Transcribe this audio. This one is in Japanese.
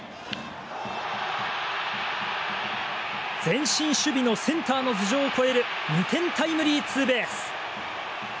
前進守備のセンターの頭上を越える２点タイムリーツーベース。